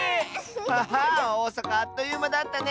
ハハーおおさかあっというまだったね！